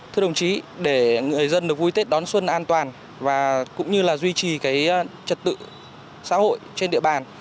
thưa đồng chí để người dân được vui tết đón xuân an toàn và cũng như là duy trì trật tự xã hội trên địa bàn